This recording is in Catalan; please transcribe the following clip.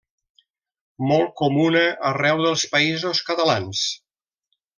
Molt comuna arreu dels Països catalans.